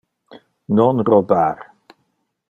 Non robar.